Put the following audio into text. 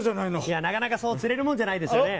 いやなかなかそう釣れるもんじゃないですよね。